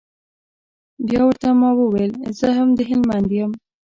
بيا ورته ما وويل زه هم د هلمند يم.